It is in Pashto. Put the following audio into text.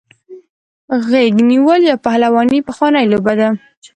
غیږ نیول یا پهلواني پخوانۍ لوبه ده.